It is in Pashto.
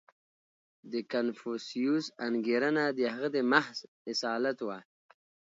• د کنفوسیوس انګېرنه د هغه د محض اصالت وه.